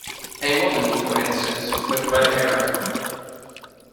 A woman, for instance, with red hair.